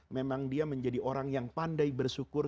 memang dia menjadi orang yang pandai bersyukur